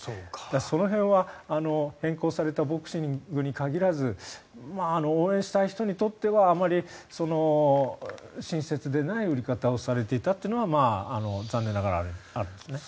その辺は変更されたボクシングに限らず応援したい人にとっては親切でない売り方をされていたというのは残念ながらあるんですね。